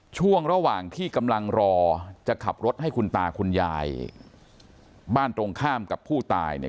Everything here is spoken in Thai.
ช่วงระหว่างที่กำลังรอจะขับรถให้คุณตาคุณยายบ้านตรงข้ามกับผู้ตายเนี่ย